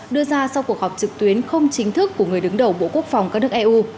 đưa ra sau cuộc họp trực tuyến không chính thức của người đứng đầu bộ quốc phòng các nước eu